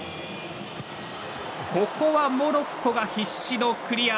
ここはモロッコが必死のクリア。